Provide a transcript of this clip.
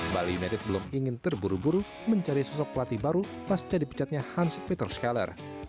bali united belum ingin terburu buru mencari sosok pelatih baru pas jadi pecatnya hans peter scheller